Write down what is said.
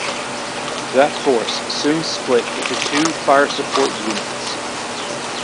That force soon split into two fire support units.